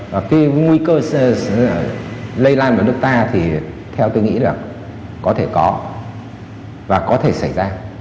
và cái nguy cơ lây lan vào nước ta thì theo tôi nghĩ là có thể có và có thể xảy ra